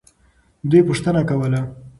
دوی پوښتنه کوله.